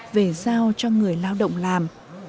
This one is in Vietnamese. vệ giao cho người lao động làm